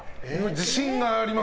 自信があります。